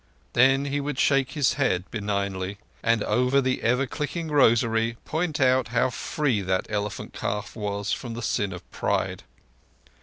Then he would shake his head benignly, and over the ever clicking rosary point out how free that elephant calf was from the sin of pride.